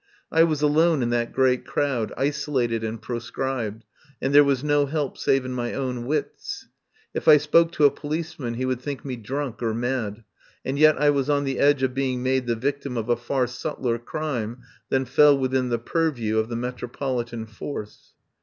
I was alone in that great crowd, isolated and proscribed, and there was no help save in my own wits. If I spoke to a policeman he would think me drunk or mad, and yet I was on the edge of being made the victim of a far subtler crime than fell within the purview of the Metro politan force.